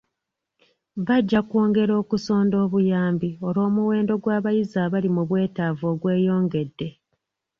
Bajja kwongera okusonda obuyambi olw'omuwendo gw'abayizi abali mu bwetaavu ogweyongedde.